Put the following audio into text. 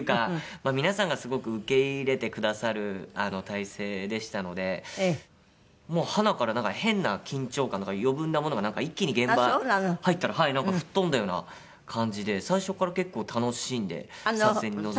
まあ皆さんがすごく受け入れてくださる態勢でしたのでもうはなから変な緊張感とか余分なものがなんか一気に現場入ったら吹っ飛んだような感じで最初から結構楽しんで撮影に臨めました。